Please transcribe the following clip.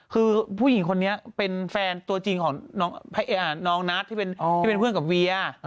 คือผู้หญิงคนนี้เป็นแฟนตัวจริงของน้องนัทที่เป็นเพื่อนกับเวีย